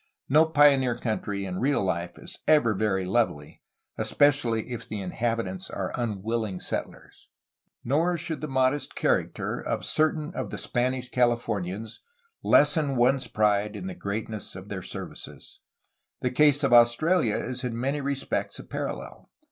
No pioneer country in real life is ever very lovely, especially if the inhabitants are unwilling settlers. Nor should the modest character of certain of the Spanish Californians lessen one's pride in the greatness of their ser vices. The case of Australia is in many respects a parallel.